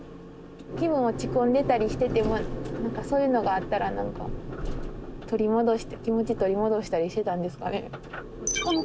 気分落ち込んでたりしてても何かそういうのがあったら何か気持ち取り戻したりしてたんですかね。